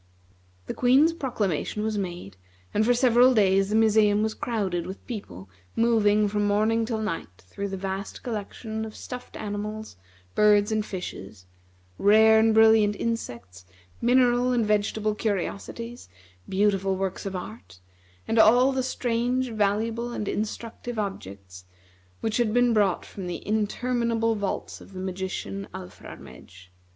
The Queen's proclamation was made, and for several days the museum was crowded with people moving from morning till night through the vast collection of stuffed animals, birds, and fishes; rare and brilliant insects; mineral and vegetable curiosities; beautiful works of art; and all the strange, valuable, and instructive objects which had been brought from the interminable vaults of the magician Alfrarmedj.